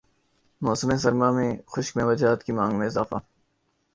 موسم سرما میں خشک میوہ جات کی مانگ میں اضافہ